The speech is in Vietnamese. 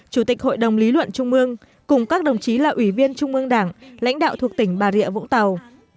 chủ tịch hội đồng lý luận trung mương cùng các đồng chí là ủy viên trung ương đảng lãnh đạo thuộc tỉnh bà rịa vũng tàu